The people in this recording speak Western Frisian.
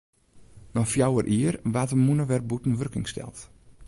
Nei fjouwer jier waard de mûne wer bûten wurking steld.